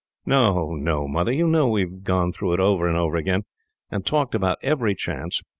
"No, no, Mother, you know we have gone through it over and over again, and talked about every chance.